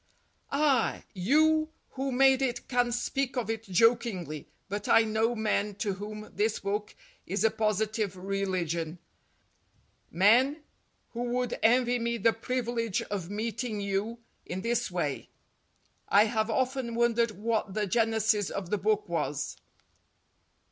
"Ah, you who made it can speak of it jokingly, but I know men to whom this book is a positive reli gion, men who would envy me the privilege of meeting you in this way. I have often wondered what the genesis of the book was."